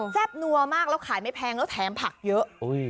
บนัวมากแล้วขายไม่แพงแล้วแถมผักเยอะ